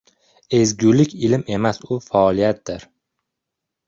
Ezgulik — ilm emas, u faoliyatdir.